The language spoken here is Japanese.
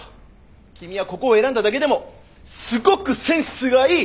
君はここを選んだだけでもすごくセンスがいい！